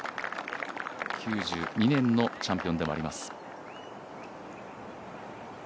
９２年のチャンピオンでもあります。